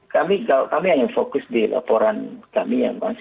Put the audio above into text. kami hanya fokus di laporan kami ya mas